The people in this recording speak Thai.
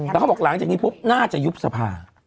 แล้วเขาบอกหลังจากนี้ปุ๊บน่าจะยุบสภา